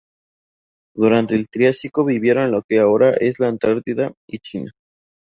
Durante el triásico, vivieron en lo que ahora es la Antártida y China.